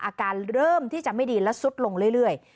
อาการเริ่มที่จะไม่ดีและสุดลงเรื่อย